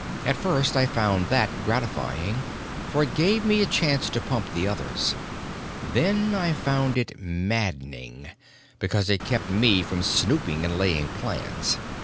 At first I found that gratifying, for it gave me a chance to pump the others. Then I found it maddening, because it kept me from snooping and laying plans.